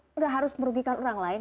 tuh gak harus merugikan orang lain